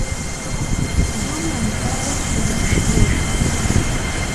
Бзум ямыфэгъум си мэш ешх.